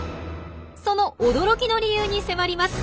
その驚きの理由に迫ります。